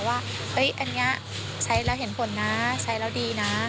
ว่าอันนี้ใช้แล้วเห็นผลนะใช้แล้วดีนะ